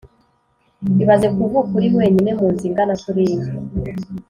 ibaze kuvuka uri wenyine munzu ingana kuriya